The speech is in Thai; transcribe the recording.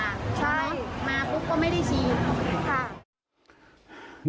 มาปุ๊บก็ไม่ได้ฉีด